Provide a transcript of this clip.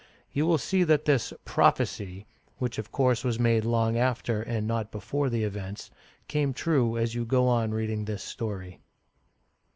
^ You will see that this " prophecy "— which of course was made long after, and not before, the events — came true as you go on reading this story.